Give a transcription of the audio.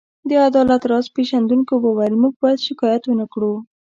د عدالت راز پيژندونکو وویل: موږ باید شکایت ونه کړو.